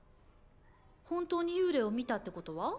本当に幽霊を見たってことは？